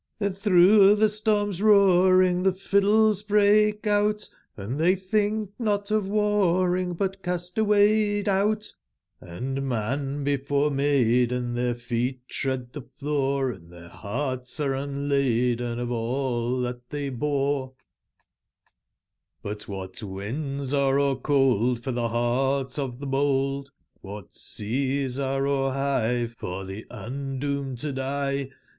XTben tbrougb tbe storm's roaring tbc fiddles break out, Hnd tbey tbink not of warring, but cast away doubt, Hnd, man before maiden, tbcir feet tread tbe floor, Hnd tbcir bearts arc unladen of all tbat tbey bore* BQIT wbat winds arc o'er/cold for tbe bcart of tbc bold? (nbat seas are o'cr/bigb 47 for tbc undoomcd to die